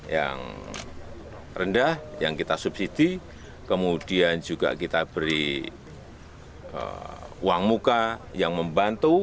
yang rendah yang kita subsidi kemudian juga kita beri uang muka yang membantu